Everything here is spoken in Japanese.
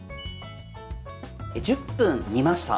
１０分煮ました。